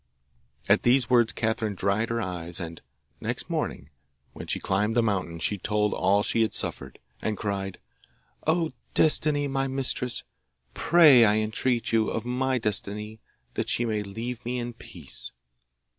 At these words Catherine dried her eyes, and next morning, when she climbed the mountain, she told all she had suffered, and cried, 'O Destiny, my mistress, pray, I entreat you, of my Destiny that she may leave me in peace.